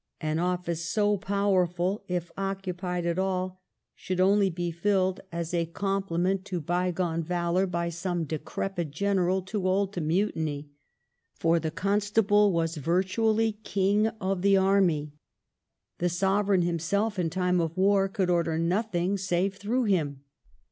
An office so powerful, if occupied at all, should only be filled, as a com CONSTABLE BOURBON. 6/ pliment to bygone valor, by some decrepit general too old to mutiny. For the Constable was virtually king of the army. The Sovereign himself, in time of war, could order nothing save through him.